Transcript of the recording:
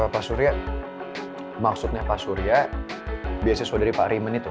pak surya maksudnya pak surya beasiswa dari pak riman itu